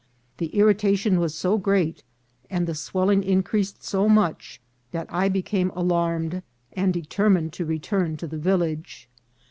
The irri tation was so great, and the swelling increased so much, that I became alarmed, and determined to return to the village.